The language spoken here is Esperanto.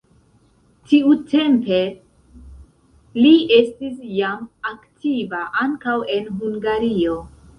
Tiutempe li estis jam aktiva ankaŭ en Hungario.